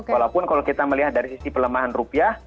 walaupun kalau kita melihat dari sisi pelemahan rupiah